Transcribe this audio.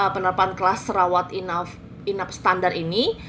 penerapan kelas sarawat enough standard ini